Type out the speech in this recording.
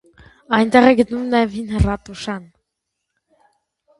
Այնտեղ է գտնվում նաև հին ռատուշան։